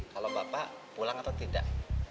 kalau bapak pulang atau tidak